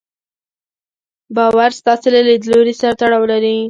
باور ستاسې له ليدلوري سره تړاو لري.